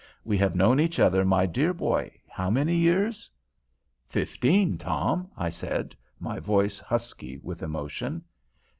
We have known each other, my dear boy, how many years?" "Fifteen, Tom," I said, my voice husky with emotion.